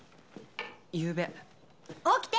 ゆうべ起きて！